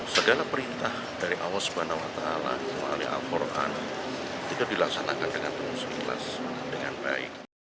segala perintah dari awas banawatala muali al quran tidak dilaksanakan dengan berusaha ikhlas dengan baik